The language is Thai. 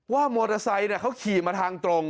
ว่ามอเตอร์ไซค์เขาขี่มาทางตรง